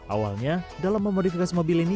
awalnya dalam memoditas mobil ini